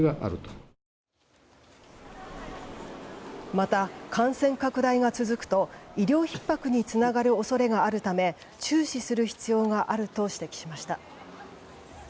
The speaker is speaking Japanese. また、感染拡大が続くと医療ひっ迫につながる恐れがあるため注視する必要があると指摘しました。